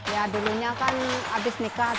ya dulunya kan habis nikah